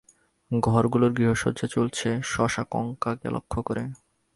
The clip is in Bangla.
ঘরগুলোর গৃহসজ্জা চলছে শশাঙ্ককে লক্ষ্য করে।